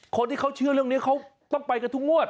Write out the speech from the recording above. คนที่เขาเชื่อเรื่องนี้เขาต้องไปกันทุกงวด